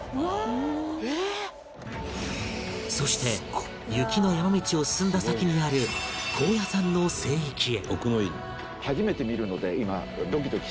そして雪の山道を進んだ先にある高野山の聖域へ